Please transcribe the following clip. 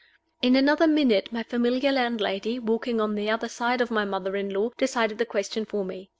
In another minute my familiar landlady, walking on the other side of my mother in law, decided the question for me.